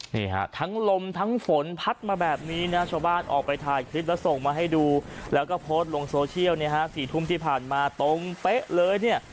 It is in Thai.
นี่ฮะทั้งลมทั้งฝนพัดมาแบบนี้นะชาวบ้านออกไปถ่ายคลิปแล้วส่งมาให้ดูแล้วก็โพสต์ลงโซเชียลเนี่ยฮะ๔ทุ่มที่ผ่านมาตรงเป๊ะเลยเนี่ย